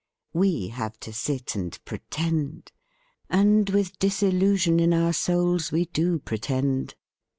We have to sit and pretend; and with disillusion in our souls we do pretend.